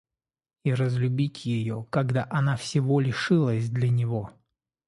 И разлюбить ее, когда она всего лишилась для него!